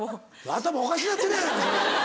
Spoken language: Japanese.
頭おかしなってるやないかそれ。